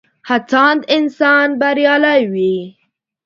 هڅاند انسان بريالی وي.